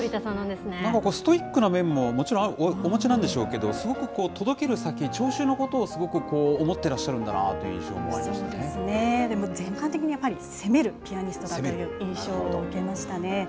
でも、ストイックな面ももちろん、お持ちなんでしょうけど、すごく届ける先、聴衆のことをすごく思ってらっしゃるんだなという印象もありましそうですね、でも、全般的にやはり、攻めるピアニストだという印象を受けましたね。